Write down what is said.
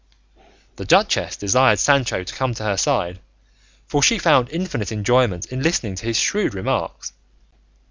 The duchess desired Sancho to come to her side, for she found infinite enjoyment in listening to his shrewd remarks.